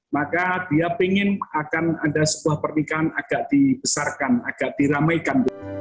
maka dia ingin akan ada sebuah pernikahan agak dibesarkan agak diramaikan